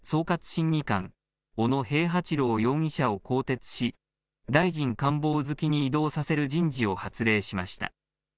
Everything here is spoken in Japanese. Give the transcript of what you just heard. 審議官、小野平八郎容疑者を更迭し、大臣官房付に異動させる人事を発令しました。